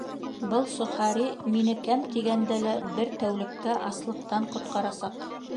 Был сохари мине кәм тигәндә лә бер тәүлеккә аслыҡтан ҡотҡарасаҡ.